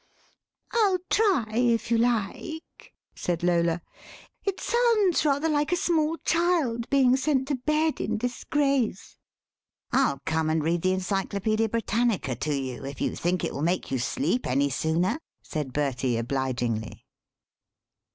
"I'll try if you like," said Lola; "it sounds rather like a small child being sent to bed in disgrace." "I'll come and read the Encyclopædia Britannica to you if you think it will make you sleep any sooner," said Bertie obligingly.